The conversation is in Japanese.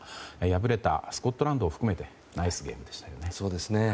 敗れたスコットランドを含めナイスゲームでしたね。